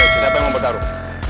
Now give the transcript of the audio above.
kenapa yang mau bertarung